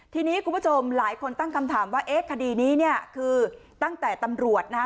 ทีนี้คุณผู้ชมหลายคนตั้งคำถามว่าเอ๊ะคดีนี้เนี่ยคือตั้งแต่ตำรวจนะฮะ